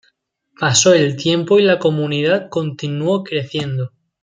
Pasó el tiempo y la comunidad continuó creciendo.